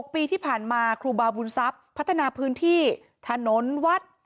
ปีที่ผ่านมาครูบาบุญทรัพย์พัฒนาพื้นที่ถนนวัด